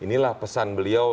inilah pesan beliau